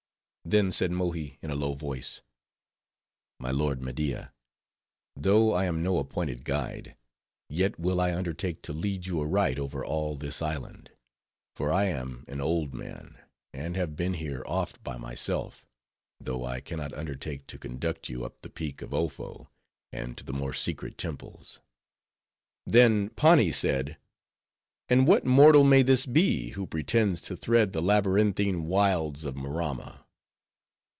Then said Mohi in a low voice, "My lord Media, though I am no appointed guide; yet, will I undertake to lead you aright over all this island; for I am an old man, and have been here oft by myself; though I can not undertake to conduct you up the peak of Ofo, and to the more secret temples." Then Pani said: "and what mortal may this be, who pretends to thread the labyrinthine wilds of Maramma?